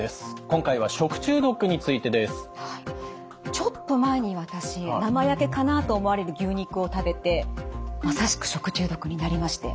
今回は食中毒についてです。ちょっと前に私生焼けかなと思われる牛肉を食べてまさしく食中毒になりまして。